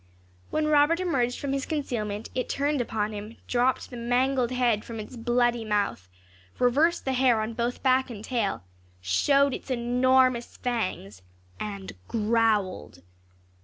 When Robert emerged from his concealment it turned upon him, dropped the mangled head from its bloody mouth, reversed the hair on both back and tail, showed its enormous fangs, and growled.